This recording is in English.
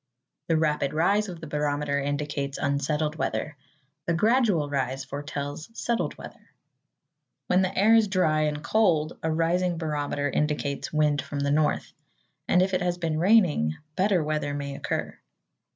The rapid rise of the barometer indicates unsettled weather. The gradual rise foretells settled weather. When the air is dry and cold, a rising barometer indicates wind from the north; and if it has been raining, better weather may occur.